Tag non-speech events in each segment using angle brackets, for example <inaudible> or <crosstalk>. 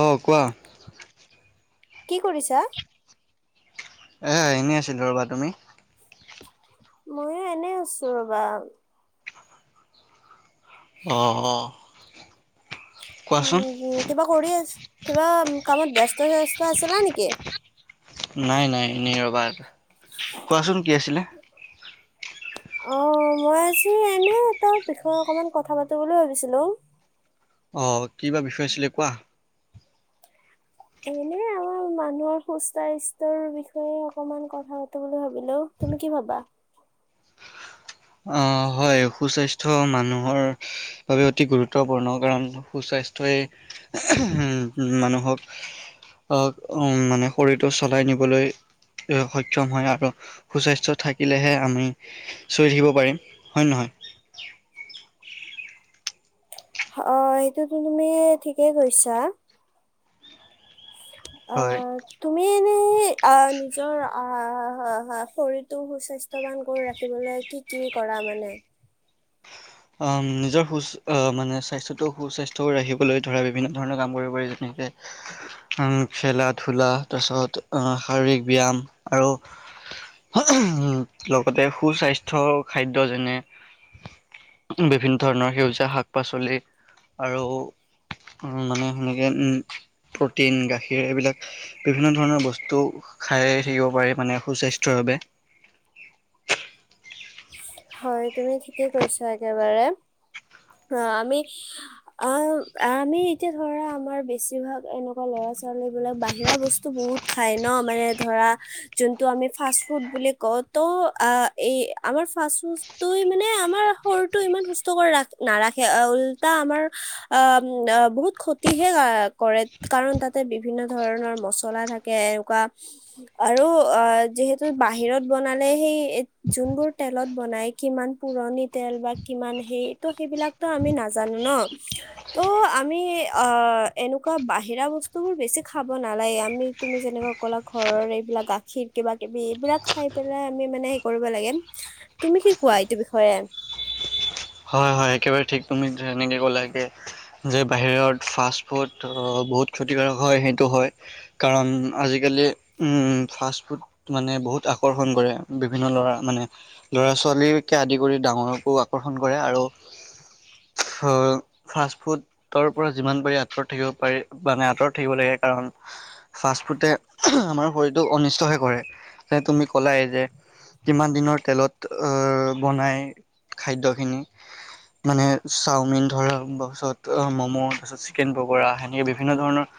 অঁ কোৱা। কি কৰিছা। এ এনেই আছিলো ৰ'বা তুমি ময়ো এনে আছো ৰবা। অঁ অ কোৱাচোন। উ কিবা কৰি আছো। কিবা কামত ব্যস্ত চস্ত আছিলা নেকি? নাই নাই এনেই ৰবা। কোৱাচোন কি আছিলে? অ মই আজি এনে এটা বিষয়ে অকমান কথা পাতো বুলি ভাবিছিলো। অ কিবা বিষয়ে আছিলে কোৱা। এনে আমাৰ মানুহৰ সুস্বাস্থ্যৰ বিষয়ে অকমান কথা পাতো বুলি ভাবিলো তুমি কি ভাবা আহ হয় সুস্বাস্থ্য মানুহৰ বাবে অতি গুৰুত্বপূৰ্ণ কাৰণ সুস্বাস্থ্যই মানুহক আহ মানে শৰীৰটো চলাই নিবলৈ সক্ষম হয় আৰু সুস্বাস্থ্য থাকিলেহে আমি চৈ থাকিব পাৰিম হয় নহয় অ সেইটোতো তুমি ঠিকেই কৈছা অ হয়। তুমি নে আ নিজৰ হা হা হা হা শৰীৰটো সুস্বাস্থ্যৱান কৰি ৰাখিবলৈ কি কি কৰা মানে নিজৰ সু মানে স্বাস্থ্যটো সুস্বাস্থ্য ৰাখিবলৈ ধৰা বিভিন্ন ধৰণৰ কাম কৰিব পাৰি যেনেকে খেলা ধূলা তাৰা পিছত শাৰীৰিক ব্যয়ায়াম আৰু লগতে সুস্বাস্থ্য খাদ্য যেনে বিভিন্ন ধৰণৰ সেউজীয়া শাক পাচলি আৰু মানে সেনেকৈ প্ৰটিন গাখীৰ এইবিলাক বিভিন্ন ধৰণৰ বস্তু খাই থাকিব পাৰি মানে সুস্বাস্থ্যৰ বাবে হয় তুমি ঠিকেই কৈছা একেবাৰে অ আমি অ আমি এতিয়া ধৰা আমাৰ বেছিভাগ এনেকুৱা লৰা ছোৱালী বিলাক বাহিৰা বস্তু বহুত খাই ন মানে ধৰা যোনটো আমি ফাষ্ট ফুড বুলি কওঁ ত আমাৰ ফ মান আমাৰ শৰীৰটো ইমান সুস্থ কৰি নাৰাখে উল্টা আমাৰ আহ বহুত ক্ষতিহে কৰে কাৰণ তাতে বিভিন্ন ধৰণৰ মচলা থাকে এনেকুৱা আৰু অ যিহেতু বাহিৰত বনালে সেই যোনবোৰ তেলত বনাই কিমান পুৰণি তেল বা কিমান হে ত সেইবিলাকতো আমি নাজানো ন ত' আমি অ এনেকুৱা বাহিৰা বস্তুবোৰ বেছি খাব নালাগে আমি তুমি যেনেকুৱা কলা ঘৰৰ এইবিলাক গাখীৰ কিবা কিবি এইবিলাক খাই পেলাই আমি মানে হে কৰিব লাগে তুমি কি কোৱা এইটো বিষয়ে হয় হয় একেবাৰে ঠিক তুমি সনেকে ক'লগে যে বাহিৰত ফাষ্ট ফুড বহুত ক্ষতিকাৰক হয় সেইটো হয় কাৰণ আজিকালি উ ফাষ্ট ফুড মানে বহুত আকৰ্ষণ কৰে বিভিন্ন ল'ৰা মানে ল'ৰা ছোৱালীকে আদি কৰি ডাঙৰকো আকৰ্ষণ ফাষ্ট ফুডৰ পৰা যিমান পাৰি আঁতৰত থাকিব পাৰি মানে আঁতৰত থাকিব লাগে কাৰণ ফাষ্ট ফুডে আমাৰ শৰীৰটো অনিষ্টহে কৰে যে তুমি ক'লাই যে কিমান দিনৰ তেলত বনাই খাদ্য মানে চাওমিন ধৰা পিছত ম'ম' তাৰপিছত চিকেন পগোৰা সেনেকৈ বিভিন্ন ধৰণৰ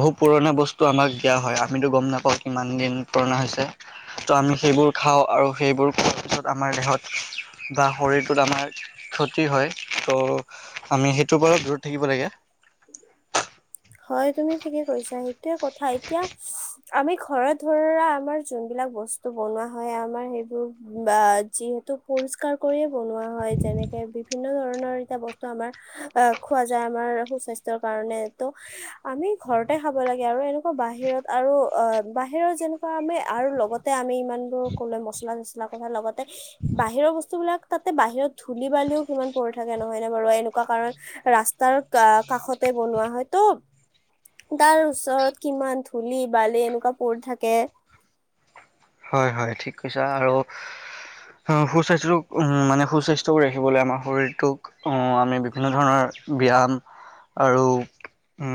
বহু পুৰণা বস্তু আমাক দিয়া হয় আমিতো গম নাপাওঁ কিমান দিন পুৰণা হৈছে ত' আমি সেইবোৰ খাওঁ আৰু সেইবোৰ খোৱাৰ পিছত আমাৰ দেহত বা শৰীৰটোত আমাৰ ক্ষতি হয় ত' আমি সেইটোৰ পৰালপ দুৰত থাকিব লাগে হয় তুমি ঠিকে কৰিছা সেইতো কথা এতিয়া আমি ঘৰ ধৰা আমাৰ যোনবিলাক বস্তু বনোৱা হয় আমাৰ সেইবোৰ যিহেতু পৰিষ্কাৰ কৰি বনোৱা হয় যেনেকে বিভিন্ন বিভিন্ন ধৰণৰ এতিয়া বস্তু আমাৰ আহ খোৱা যায় আমাৰ সুস্বাস্থ্যয়ৰ কাৰণে ত আমি ঘৰতে খাব লাগে আৰু এনেকুৱা বাহিৰত আৰু বাহিৰত যেনেকুৱা আমি আৰু লগতে আমি ইমানবোৰ ক'লে মচলা চছলা কথা লগতে বাহিৰৰ বস্তুবিলাক তাতে বাহিৰত ধূলি বালিও কিমান পৰি থাকে নহয় নে বাৰু এনেকুৱা কাৰণ ৰাস্তাৰ কাষতে বনোৱা হয় ত' তাৰ ওচৰত কিমান ধূলি বালি এনেকুৱা পৰি থাকে হয় হয় ঠিক কৈছা আৰু সুস্বাস্থ্যটোক মানে সুস্বাস্থ্য কৰি ৰাখিবলৈ আমাৰ শৰীৰটোক আমি বিভিন্ন ধৰণৰ ব্যায়াম আৰু উ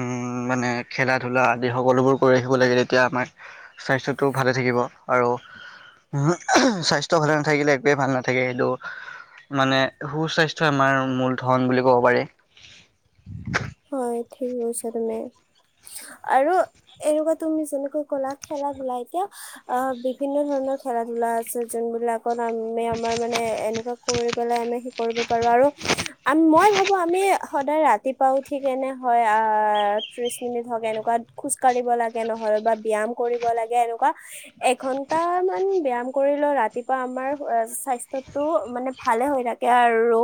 মানে খেলা ধূলা আদি সকলোবোৰ কৰি ৰাখিব লাগে তেতিয়া আমাৰ স্বাস্থ্যটো ভালে থাকিব। আৰু স্বাস্থ্য ভালে নাথাকিলে একোৱেই ভাল নাথাকে সেইটো মানে সুস্বাস্থ্যই আমাৰ মূল ধন বুলি ক'ব পাৰি। হয় ঠিক গৈছা তুমি আৰু এনেকুৱা তুমি যেনেকৈ কলা খেলা ধূলা এতিয়া আহ বিভিন্ন ধৰণৰ খেলা ধূলা আছে যোনবলাকত আমি আমাৰ মানে এনেকুৱা কৰি পেলাই আমি সেই কৰিব পাৰো আৰু আ মই ভাবো আমি সদায় ৰাতিপাও ঠিক এনে হয় আহ ত্ৰিশ মিনিট হওক এনেকুৱা খোজ কাঢ়িব লাগে নহলে বা ব্যয়ায়াম কৰিব লাগে এনেকুৱা এঘন্টামান ব্যায়াম কৰিলেও ৰাতিপুৱা আমাৰ স্বাস্থ্যটো মানে ভালে হৈ থাকে আৰু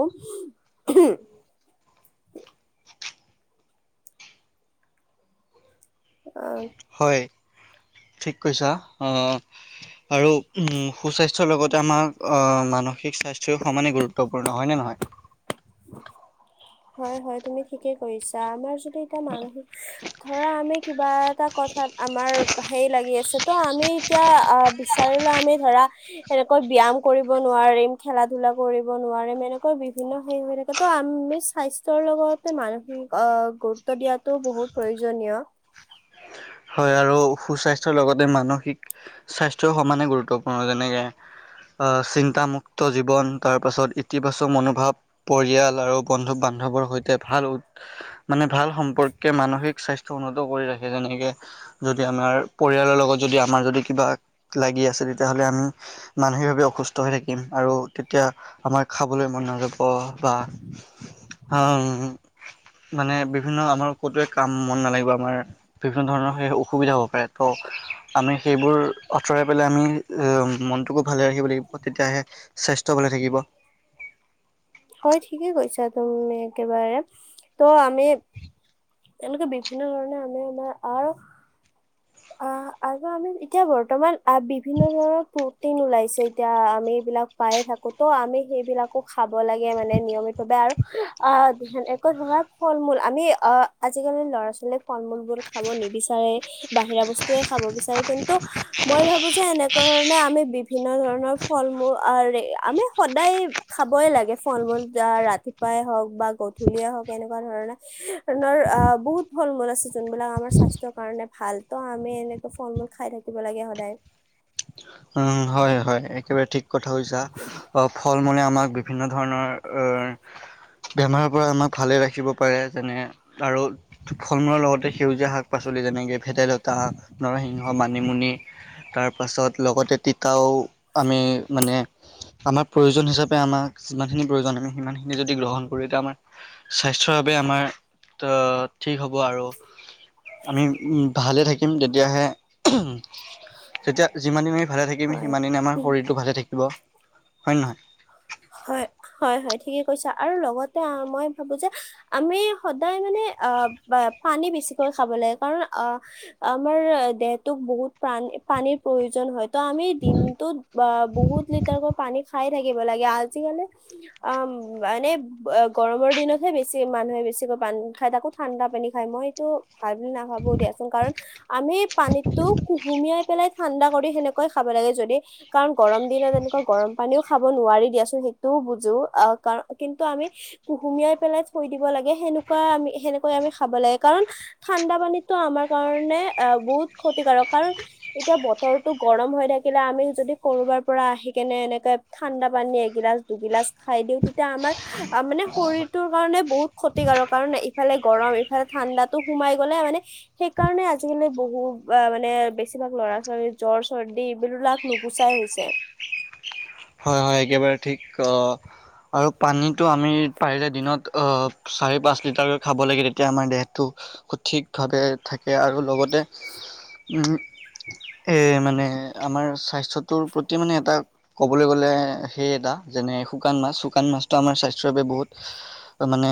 অ হয় ঠিক কৈছা আৰু সুস্বাস্থ্যৰ লগতে আমাৰ মানসিক স্বাস্থ্যই সমানে গুৰুত্বপূৰ্ণ হয় নে নহয় <unintelligible> হয় হয় তুমি ঠিকে কৰিছা আমাৰ যদি এতিয়া মানুহ ধৰা আমি কিবা এটা কথাত আমাৰ হেই লাগি আছে ত' আমি এতিয়া আহ বিচাৰিলো আমি ধৰা এনেকৈ ব্যায়াম কৰিব নোৱাৰিম খেলা ধূলা কৰিব নোৱাৰিম এনেকৈ বিভিন্ন সেইনেকে ত আমি স্বাস্থ্যৰ লগতে মানসিক গুৰুত্ব দিয়াটো বহুত প্ৰয়োজনীয় হয় আৰু সুস্বাস্থ্যয়ৰ লগতে মানসিক স্বাস্থ্যয় সমানে গুৰুত্বপূৰ্ণ যেনেকে আহ চিন্তামুক্ত জীৱন তাৰ পাছত ইতিবাচক মনোভাৱ পৰিয়াল আৰু বন্ধু বান্ধৱৰ সৈতে ভাল মানে ভাল সম্পৰ্কে মানসিক স্বাস্থয় উন্নত কৰি ৰাখে যেনেকে যদি আমাৰ পৰিয়ালৰ লগত যদি আমাৰ যদি কিবা লাগি আছে তেতিয়াহলে আমি মানসিকভাৱে অসুস্থ হৈ থাকিম আৰু তেতিয়া আমাৰ খাবলৈ মন নাযাব বা হ মানে বিভিন্ন আমাৰ ক'তোৱে কাম মন নালাগিব আমাৰ বিভিন্ন ধৰণৰ সেই অসুবিধা হ'ব পাৰে ত' আমি সেইবোৰ আঁতৰাই পেলাই আমি মনটোকো ভালে ৰাখিব লাগিব তেতিয়াহে স্বাস্থ্য ভালে থাকিব। হয় ঠিকেই কৈছা তুমি একেবাৰে ত' আমি এনেকুৱা বিভিন্ন ধৰণে আমি আমাৰ আৰ অ আৰু আমি এতিয়া বৰ্তমান বিভিন্ন ধৰণৰ প্ৰটিন ওলাইছে এতিয়া আমি এইবিলাক পায়ে থাকো ত' আমি সেইবিলাকো খাব লাগে মানে নিয়মিতভাৱে আৰু অ ধান একো ধৰণৰ ফল মূল আমি অ আজিকালি ল'ৰা ছোৱালী ফল মূলবোৰ খাব নিবিচাৰে <unintelligible> বাহিৰা বস্তুৱে খাব বিচাৰে কিন্তু মই ভাবোঁ যে এনেকুৱা ধৰণে আমি বিভিন্ন ধৰণৰ ফল মূল আমি সদায় খাবই লাগে ফল মূল ৰাতিপুৱাই হওক বা গধূলিয়েই হওক এনেকুৱা ধৰণেৰ বহুত ফল মূল আছে যোনবিলাক আমাৰ স্বাস্থ্যৰ কাৰণে ভাল ত আমি এনেকে ফল মূল খাই থাকিব লাগে সদায় উম হয় হয় একেবাৰে ঠিক কথা কৈ চা বা ফল মূলে আমাক বিভিন্ন ধৰণৰ বেমাৰৰ পৰা আমাক ভালে ৰাখিব পাৰে যেনে আৰু ফল মূলৰ লগতে সেউজীয়া শাক পাচলি যেনেকৈ ভেদাইলতা, নৰসিংহ, মানিমুনি, তাৰপাছত লগতে তিতাও আমি মানে আমাৰ প্ৰয়োজন হিচাপে আমাক যিমানখিনি প্ৰয়োজন আমি সিমানখিনি যদি গ্ৰহণ কৰো এতিয়া আমাৰ স্বাস্থ্যৰ বাবে আমাৰ ঠিক হ'ব আৰু আমি উ ভালে থাকিম তেতিয়াহে তেতিয়া যিমানে ভালে থাকিম হয় সিমান দিনে আমাৰ শৰীৰটো ভালে থাকিব হয় নহয় হয় হয় হয় ঠিকেই কৈছা আৰু লগতে মই ভাবো যে আমি সদায় মানে আ পানী বেছিকৈ খাব লাগে কাৰণ অ আমাৰ দেহটোক বহুত প্ৰানী পানীৰ প্ৰয়োজন হয়। ত আমি দিনটোত বা বহুত লিটাৰকৈ পানী খাই থাকিব লাগে আজিকালি অ মানে গৰমৰ দিনতহে বেছি মানুহে বেছিকৈ পানী খায় তাকো ঠাণ্ডা পানী খায় মইতো ভাল বুলি নাভাবো দিয়াচোন কাৰণ আমি পানীতো কুহুমিয়াই পেলাই ঠাণ্ডা কৰি সেনেকৈ খাব লাগে যদি কাৰণ গৰম দিনত এনেকুৱা গৰম পানীও খাব নোৱাৰি দিয়াচোন সেইটোও বুজো কিন্তু আমি কুহুমিয়াই পেলাই থৈ দিব লাগে সেনেকুৱা আমি সেনেকৈ আমি খাব লাগে কাৰণ ঠাণ্ডা পানীটো আমাৰ কাৰণে বহুত ক্ষতিকাৰক কাৰণ এতিয়া বতৰটো গৰম হৈ থাকিলে আমি যদি কৰবাৰ পৰা আহি কেনে এনেকে ঠাণ্ডা পানী গিলাচ দুগিলাচ খাই দিও তেতিয়া আমাৰ মানে শৰীৰটোৰ কাৰণে বহুত ক্ষতিকাৰক কাৰণ ইফালে গৰম ইফালে ঠাণ্ডাটো সোমাই গলে মানে সেইকাৰণে আজিকালি বহুত মানে বেছিভাগ লৰা ছোৱালী জ্বৰ, চৰ্দি এইবিলাক নুগুচাই হৈছে হয় হয় একেবাৰে ঠিক আৰু পানীটো আমি পাৰিলে দিনত চাৰি পাঁচ লিটাৰ খাব লাগে তেতিয়া আমাৰ দেহটো সঠিকভাৱে থাকে আৰু লগতে উ এ মানে আমাৰ স্বাস্থ্যটোৰ প্ৰতি মানে এটা ক'বলৈ গ'লে সেই এটা যেনে শুকান মাছ শুকান মাছটো আমাৰ স্বাস্থ্যৰ বাবে বহুত মানে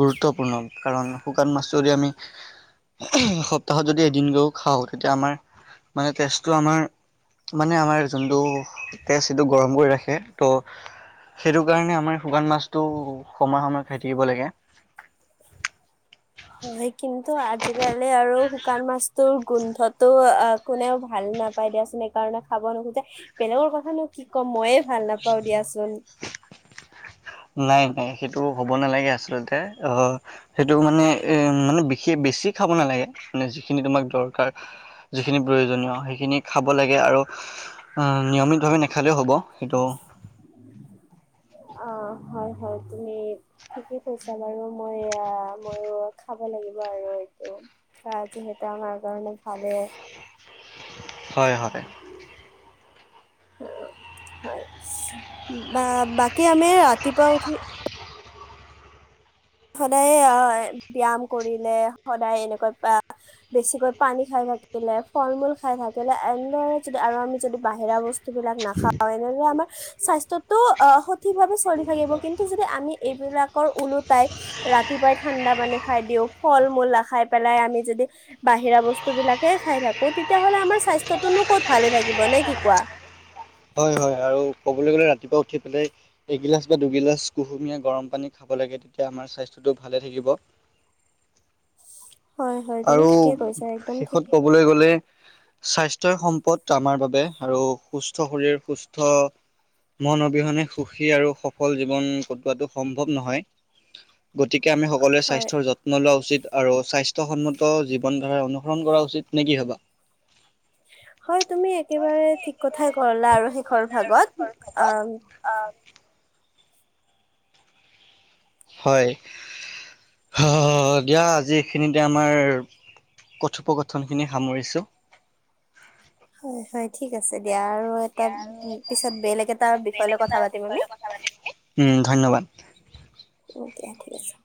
গুৰুত্বপূৰ্ণ কাৰণ শুকান মাছটো যদি আমি সপ্তাহত যদি এদিন কেও খাওঁ তেতিয়া আমাৰ মানে তেজটো আমাৰ মানে আমাৰ যোনটো তেজ সিটো গৰম কৰি ৰাখে ত' সেইটো কাৰণে আমাৰ শুকান মাছটো সময়ে সময়ে খাই থাকিব লাগে হয় কিন্তু আজিকালি আৰু শুকান মাছ তোৰ গোন্ধটো আ কোনেও ভাল নাপায় দিয়াচোন সেইকাৰণে খাব নোখোজে বেলেগৰ কথানো কি ক'ম ময়ে ভাল নাপাও দিয়াচোন নাই নাই সেইটো হ'ব নালাগে আচলতে আহ সেইটো মানে এ মানে বিশেষ বেছি খাব নালাগে মানে যিখিনি তোমাক দৰকাৰ যিখিনি প্ৰয়োজনীয় সেইখিনি খাব লাগে আৰু নিয়মিত ভাৱে নাখালেও হ'ব সেইটো অ হয় হয় তুমি ঠিকে কৈছা বাৰু মই ময়ো খাব লাগিব আৰু এইটো বা যিহেতু আমাৰ কাৰণে ভালে হয় হয় হয় বা বাকী আমি ৰাতিপুৱা উঠি সদায় অ ব্যায়াম কৰিলে সদায় এনেকৈ বেছিকৈ পানী খাই থাকিলে ফল মূল খাই থাকিলে এনেদৰে যদি আৰু আমি যদি বাহিৰা বস্তু বিলাক নাখাও এনেদৰে আমাৰ স্বাস্থ্যটো আ সঠিক ভাৱে চলি থাকিব কিন্তু যদি আমি এইবিলাক ওলো তাই ৰাতিপুৱাই ঠাণ্ডা পানী খাই দিও ফল মূলা খাই পেলাই আমি যদি বাহিৰা বস্তু বিলাকে খাই থাকো তেতিয়াাহ'লে আমাৰ স্বাস্থ্য টোনো ক'ত ভালে থাকিব নে কি কোৱা হয় হয় আৰু ক'বলৈ গলে ৰাতিপুৱাই এগিলাচ বা দুগিলাচ মান কুসুমিয়া গৰম পানী খাব লাগে তেতিয়া আমাৰ স্বাস্থ্য ভালেই থাকিব। হয় হয় তুমি আৰু ঠিকে কৈছা একদম ঠিক শেষত ক'বলৈ গ'লে স্বাস্থ্যয় সম্পদ আমাৰ বাবে আৰু সুস্থ। শৰীৰ সুস্থ মন অবিহনে সুখী আৰু সফল জীৱন কটোৱাটো সম্ভৱ নহয় গতিকে- কে আমি সকলোৱে হয় স্বাস্থ্যৰ যত্ন লোৱা উচিত। আৰু স্বাস্থ্যসন্মত জীৱনধাৰা অনুসৰণ কৰা উচিত নে কি ভাবা। হয় তুমি একেবাৰে ঠিক কথাই কোৱা ক'লা আৰু শেষৰ ভাগত আহ- হয় দিয়া আজি এইখিনিতে আমাৰ কথোপগথনখিনি সামৰিছোঁ। হয় হয় ঠিক আছে। এতিয়া আৰু এটা পিছত বেলেগ এটা বিষয় লৈ কথা পাতিম আমি। উম, <inaudible> অ'কে ঠিক আছে।